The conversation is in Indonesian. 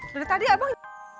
dari tadi abang